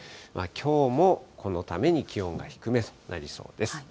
きょうもこのために気温は低めとなりそうです。